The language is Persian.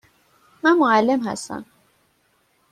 من معلم هستم.